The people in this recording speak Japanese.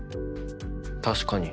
確かに。